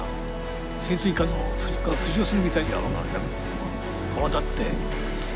潜水艦の浮上するみたいに泡立って。